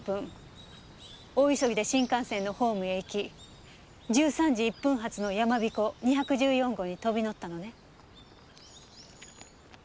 大急ぎで新幹線のホームへ行き１３時１分発のやまびこ２１４号に飛び乗ったのね？